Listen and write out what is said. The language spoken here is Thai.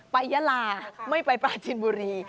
ไปยะลาไม่ไปปลาจีนบุรี